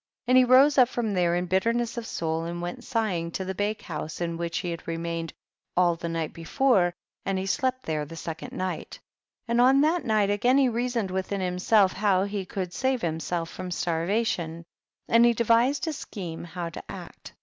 11. i^nd he rose up from there in bitterness of soul, and went sighing to the bake house in which he had remained all the night before, and he slept there the second night. 12. And on that night again he reasoned within himself how lie could save himself from starvation, and he devised a scheme how to act.